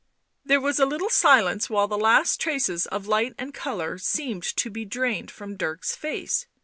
There was a little silence while the last traces of light and colour seemed to be drained from Dirk's face.